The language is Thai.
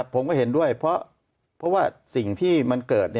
ผมก็เห็นด้วยเพราะว่าสิ่งที่มันเกิด